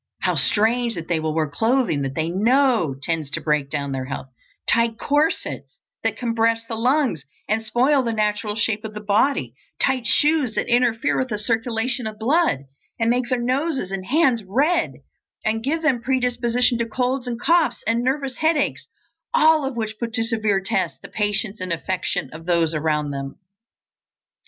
How strange that they will wear clothing that they know tends to break down their health; tight corsets that compress the lungs and spoil the natural shape of the body; tight shoes that interfere with the circulation of blood, and make their noses and hands red, and give them predisposition to colds and coughs and nervous headaches, all of which put to severe tests the patience and affection of those around them.